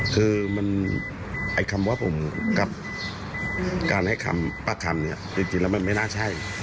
คือไอ้คำว่าผมกับการให้คำป้าคำเนี่ยจริงแล้วมันไม่น่าใช่